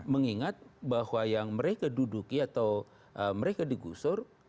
mengingat bahwa yang mereka duduki atau mereka digusur